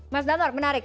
mas dhanwar menarik